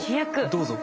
どうぞ。